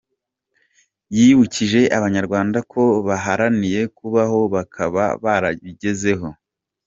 Yibukije Abanyarwanda ko baharaniye kubaho, bakaba barabigezeho.